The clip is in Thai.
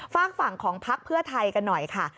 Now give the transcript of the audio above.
ฝากฝั่งของพักเพื่อไทยกันหน่อยค่ะ